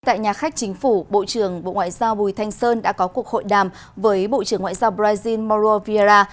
tại nhà khách chính phủ bộ trưởng bộ ngoại giao bùi thanh sơn đã có cuộc hội đàm với bộ trưởng ngoại giao brazil mauro vieira